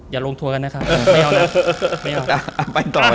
อย่าลงทัวกันนะครับไม่เอานะ